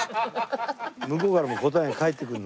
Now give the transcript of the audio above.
向こうからも答えが返ってくるの？